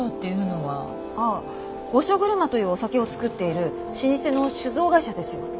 御所車というお酒を造っている老舗の酒造会社ですよ。